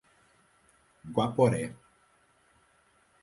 Guaporé